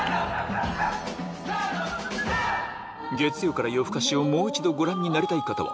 『月曜から夜ふかし』をもう一度ご覧になりたい方は